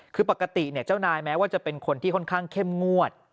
คือปกติเจ้านายแม้ว่าจะเป็นคนที่ค่อนข้างเข้มงวด